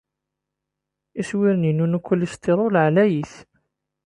Iswiren-inu n ukulistiṛul ɛlayit.